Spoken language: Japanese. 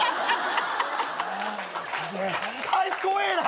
あいつ怖えな。